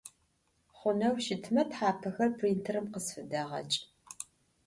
Xhuneu şıtme thapexer printêrım khısfıdeğeç'.